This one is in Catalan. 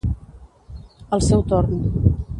Al seu torn.